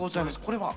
これは。